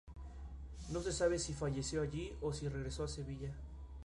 Existían en el budismo temprano diferentes tendencias y maneras de enfocar la enseñanza.